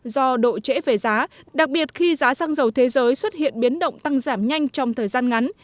do độ trễ về giá đặc biệt khi giá xăng dầu thế giới xuất hiện biến động tăng giảm nhanh trong thời gian ngắn